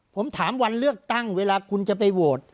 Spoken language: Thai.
ผมถามวันเลือกตั้งเวลาคุณจะไปโหวต